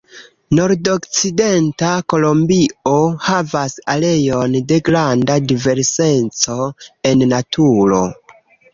Nordokcidenta Kolombio havas areon de granda diverseco en naturo.